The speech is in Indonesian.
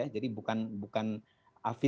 jadi bukan fiskalnya saja